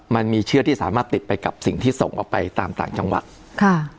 มันมีเชื้อที่สามารถติดไปกับสิ่งที่ส่งออกไปตามต่างจังหวัดค่ะ